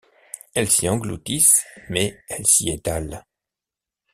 Elles s’y engloutissent, mais elles s’y étalent.